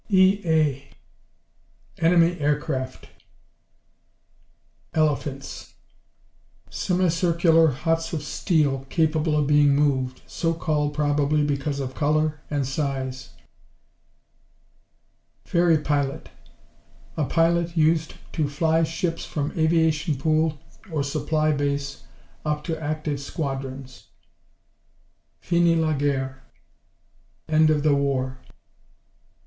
E.A. Enemy Aircraft. Elephants Semi circular huts of steel, capable of being moved. So called, probably, because of color, and size. Ferry pilot A pilot used to fly ships from aviation pool or supply base up to active squadrons. Finis la guerre End of the war.